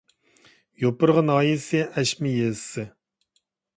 يوپۇرغا ناھىيەسى ئەشمە يېزىسى